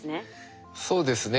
そうですね